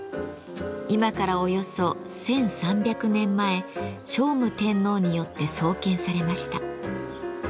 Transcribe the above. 今からおよそ１，３００年前聖武天皇によって創建されました。